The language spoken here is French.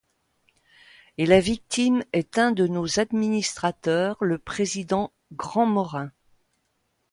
Et la victime est un de nos administrateurs, le président Grandmorin.